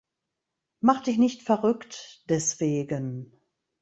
Mach dich nicht verrückt deswegen.